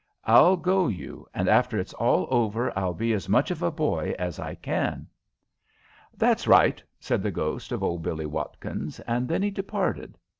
"I'll go you, and after it's all over I'll be as much of a boy as I can." "That's right," said the ghost of old Billie Watkins, and then he departed.